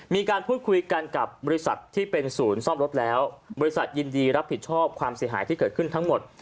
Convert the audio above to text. มีการพูดคุยกันกับบริษัทที่เป็นศูนย์ซ่อมรถแล้วบริษัทยินดีรับผิดชอบความเสียหายที่เกิดขึ้นทั้งหมด